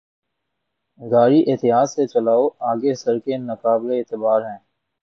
گاڑی احتیاط سے چلاؤ! آگے سڑکیں ناقابل اعتبار ہیں۔